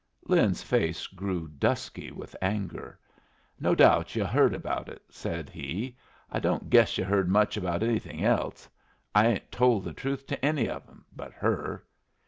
Lin's face grew dusky with anger. "No doubt yu' heard about it," said he. "I don't guess yu' heard much about anything else. I ain't told the truth to any of 'em but her."